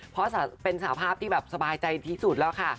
เพราะเป็นสภาพที่แบบสบายใจที่สุดแล้วค่ะ